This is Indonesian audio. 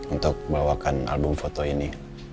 untuk bawakan album foto ini